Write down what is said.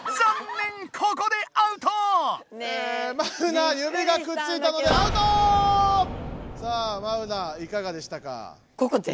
マウナ指がくっついたのでさあマウナいかがでしたか？